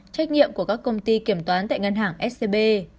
trách nhiệm của các công ty kiểm toán tại ngân hàng scb